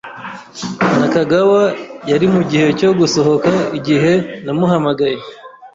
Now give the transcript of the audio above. Nakagawa yari mugihe cyo gusohoka igihe namuhamagaye.